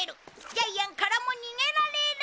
ジャイアンからも逃げられる！